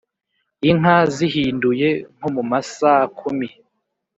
inka zihinduye (nko mu masaa kumi)